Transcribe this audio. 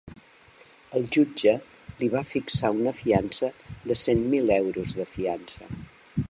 El jutge li va fixar una fiança de cent mil euros de fiança.